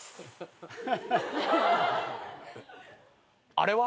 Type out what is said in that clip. あれは？